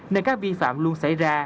nên các vi phạm luôn xảy ra